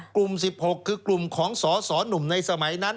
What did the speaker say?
กลุ่ม๑๖คือกลุ่มของสสหนุ่มในสมัยนั้น